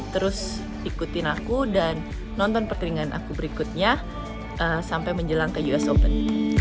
terus ikutin aku dan nonton perteringan aku berikutnya sampai menjelang ke us open